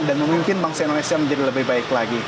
dan memimpin banksi indonesia menjadi lebih baik lagi